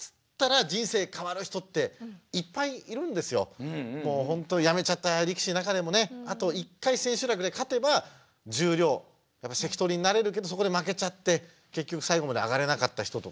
要するにホントやめちゃった力士の中でもねあと１回千秋楽で勝てば十両関取になれるけどそこで負けちゃって結局最後まで上がれなかった人とかね。